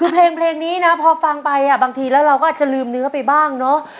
คือเพลงนี้นะพอฟังไปบางทีแล้วเราก็อาจจะลืมเนื้อไปบ้างเนอะ